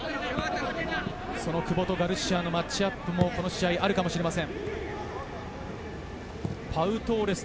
久保とガルシアのマッチアップもこの試合、あるかもしれません。